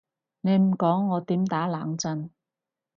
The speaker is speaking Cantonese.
你唔講我點打冷震？